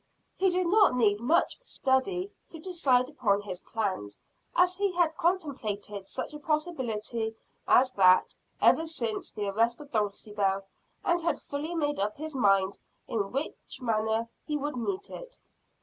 He did not need much study to decide upon his plans, as he had contemplated such a possibility as that, ever since the arrest of Dulcibel, and had fully made up his mind in what manner he would meet it.